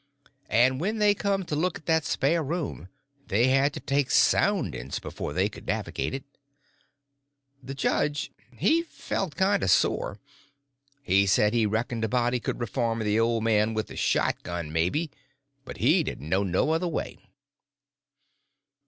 And when they come to look at that spare room they had to take soundings before they could navigate it. The judge he felt kind of sore. He said he reckoned a body could reform the old man with a shotgun, maybe, but he didn't know no other way.